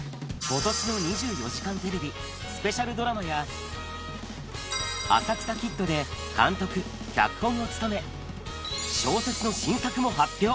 ことしの２４時間テレビスペシャルドラマや、浅草キッドで、監督・脚本を務め、小説の新作も発表。